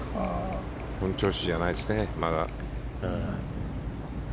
本調子じゃないですね。